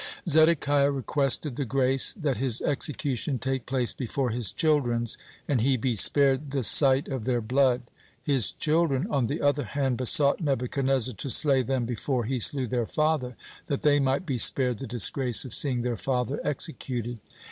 Zedekiah requested the grace that his execution take place before his children's, and he be spared the sight of their blood. His children, on the other hand, besought Nebuchadnezzar to slay them before he slew their father, that they might be spared the disgrace of seeing their father executed.